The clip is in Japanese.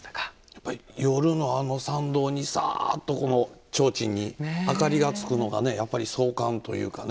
やっぱり夜のあの参道にさあっとちょうちんに明かりがつくのがやっぱり総観というかね。